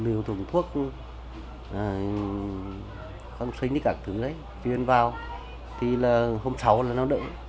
nhiều thùng thuốc không sưng cái cả thứ đấy chuyên vào thì là hôm sáu là nó đỡ